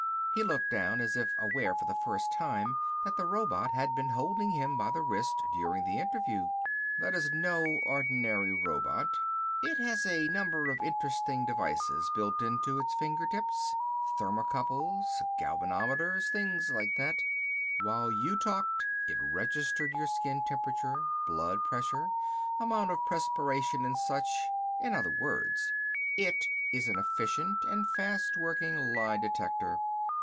He looked down, as if aware for the first time that the robot had been holding him by the wrist during the interview. "That is no ordinary robot. It has a number of interesting devices built into its fingertips. Thermocouples, galvanometers, things like that. While you talked it registered your skin temperature, blood pressure, amount of perspiration and such. In other words it is an efficient and fast working lie detector.